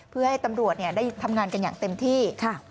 เพื่อให้ตำรวจได้ทำงานกันอย่างเต็มที่